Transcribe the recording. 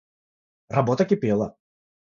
Работа кипела.